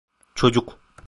Çocuk.